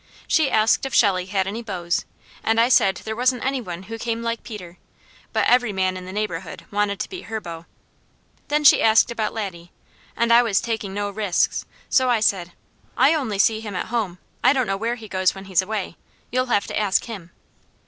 She asked if Shelley had any beaus, and I said there wasn't any one who came like Peter, but every man in the neighbourhood wanted to be her beau. Then she asked about Laddie, and I was taking no risks, so I said: "I only see him at home. I don't know where he goes when he's away. You'll have to ask him."